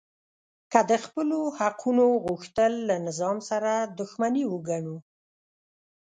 که د خپلو حقونو غوښتل له نظام سره دښمني وګڼو